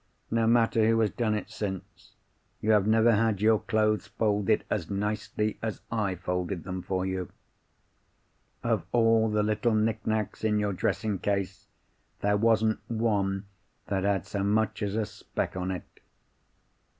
No matter who has done it since, you have never had your clothes folded as nicely as I folded them for you. Of all the little knick knacks in your dressing case, there wasn't one that had so much as a speck on it.